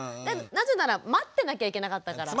なぜなら待ってなきゃいけなかったから。